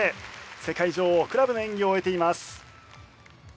世界女王クラブの演技を終えています。